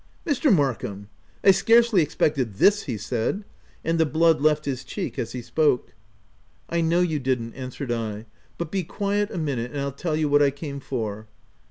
Mr. Markham, I scarcely expected this V 9 he said ; and the blood left his cheek as he spoke. 160 THE TENANT " I know you didn't/' answered I ; <c but be quiet a minute, and I'll tell you what I came for.